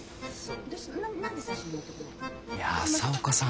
いや朝岡さん